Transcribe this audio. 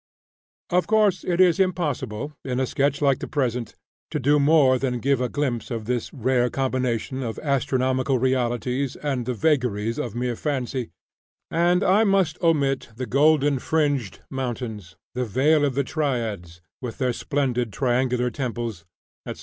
Of course, it is impossible, in a sketch like the present, to do more than give a glimpse of this rare combination of astronomical realities and the vagaries of mere fancy, and I must omit the Golden fringed Mountains, the Vale of the Triads, with their splendid triangular temples, etc.